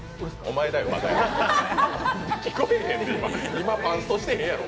今、パンストしてへんやろ。